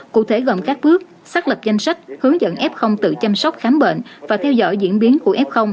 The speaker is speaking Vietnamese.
cụ thể gồm các bước xác lập danh sách hướng dẫn f tự chăm sóc khám bệnh và theo dõi diễn biến của f